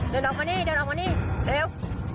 เดินออกมานี่เดินออกมานี่เร็ว